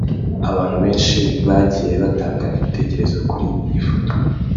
Abantu benshi bagiye batanga ibitekerezo kuri iyi foto